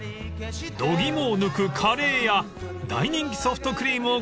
［度肝を抜くカレーや大人気ソフトクリームをご紹介します］